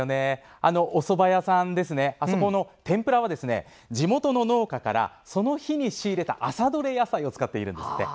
あのおそば屋さんの天ぷらは地元の農家からその日に仕入れた朝どれ野菜を使っているんですって。